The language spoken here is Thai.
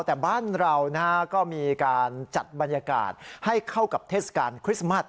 แต่บ้านเราก็มีการจัดบรรยากาศให้เข้ากับเทศกาลคริสต์มัส